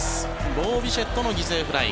ボー・ビシェットの犠牲フライ。